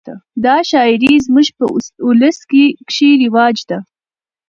دا شاعري زموږ په اولس کښي رواج ده.